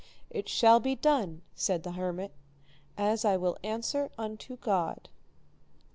It shall be done, said the hermit, as I will answer unto God.